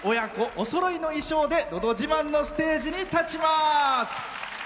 おそろいの衣装で「のど自慢」のステージに立ちます。